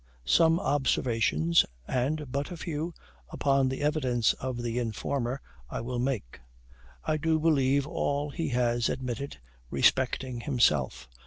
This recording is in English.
Some observations, and but a few, upon the evidence of the informer I will make. I do believe all he has admitted respecting himself.